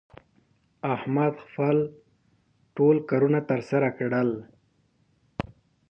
احمد خپل ټول کارونه تر سره کړل